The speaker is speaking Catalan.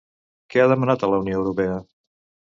Què ha demanat a la Unió Europea?